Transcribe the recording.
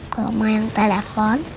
kalo mau yang telepon